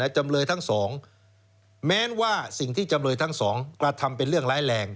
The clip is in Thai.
จำเลยทั้งสองแม้ว่าสิ่งที่จำเลยทั้งสองกระทำเป็นเรื่องร้ายแรง